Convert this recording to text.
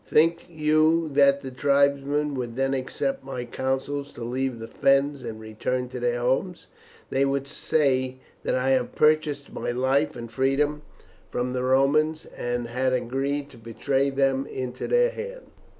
Think you that the tribesmen would then accept my counsels to leave the Fens and return to their homes? They would say that I had purchased my life and freedom from the Romans, and had agreed to betray them into their hands."